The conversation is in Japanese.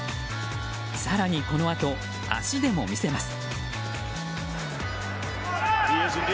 更にこのあと、足でも見せます。